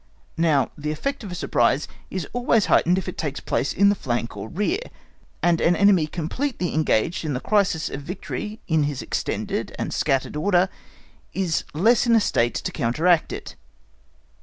_ Now the effect of a surprise is always heightened if it takes place in the flank or rear, and an enemy completely engaged in the crisis of victory in his extended and scattered order, is less in a state to counteract it.